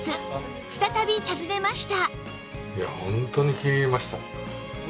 再び訪ねました